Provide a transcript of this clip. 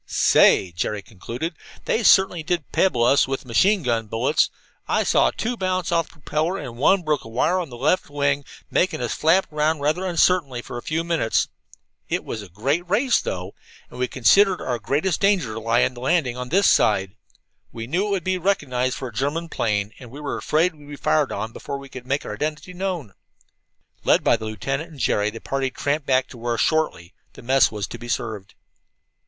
"Say," Jerry concluded, "they certainly did pebble us with machine gun bullets! I saw two bounce off the propeller, and one broke a wire on the left wing, making us flap around rather uncertainly for a few minutes. It was a great race, though, and we considered our greatest danger lay in landing on this side. We knew it would be recognized for a German plane, and we were afraid we'd be fired on before we could make our identity known." Led by the lieutenant and Jerry, the party tramped back to where, shortly, mess was to be served.